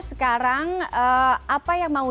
sekarang apa yang mau